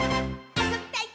あそびたい！」